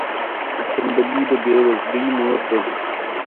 تنبلي د بې وزلۍ مور ده.